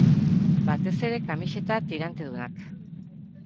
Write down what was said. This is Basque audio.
Batez ere, kamiseta tirantedunak.